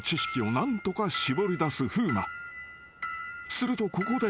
［するとここで］